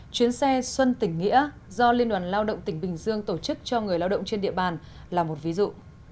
chuyến xe xuân tỉnh nghĩa do liên đoàn lao động tỉnh bình dương tổ chức cho người lao động trên địa bàn là một ví dụ